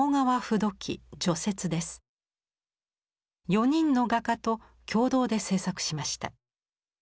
４人の画家と共同で制作しました。